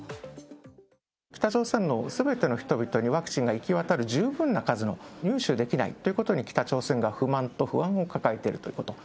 北朝鮮のすべての人々にワクチンが行き渡る十分な数を入手できないということに、北朝鮮が不満と不安を抱えているということ。